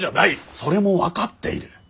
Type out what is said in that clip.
それも分かっている。